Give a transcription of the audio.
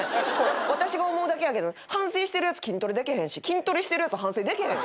私が思うだけやけど反省してるやつ筋トレできへんし筋トレしてるやつ反省できへん。